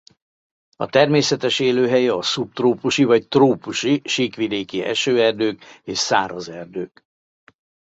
A természetes élőhelye a szubtrópusi vagy trópusi síkvidéki esőerdők és száraz erdők.